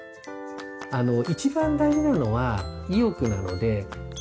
あの一番大事なのは意欲なので。